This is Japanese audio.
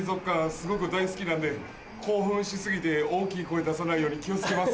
すごく大好きなんで興奮し過ぎて大きい声出さないように気を付けます。